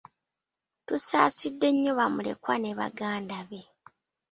Tusaasidde nnyo bamulekwa ne Baganda be.